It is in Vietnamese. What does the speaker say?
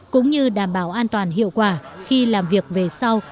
cũng như đảm bảo an toàn hiệu quả khi làm việc về sau